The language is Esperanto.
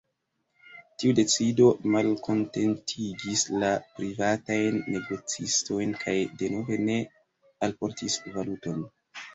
Tiu decido malkontentigis la privatajn negocistojn kaj denove ne alportis valuton.